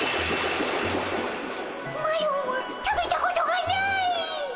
マロは食べたことがない！